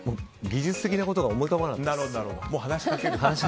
技術的なことが思い浮かばないです。